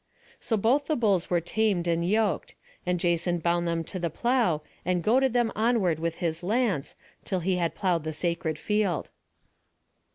So both the bulls were tamed and yoked; and Jason bound them to the plough, and goaded them onward with his lance, till he had ploughed the sacred field.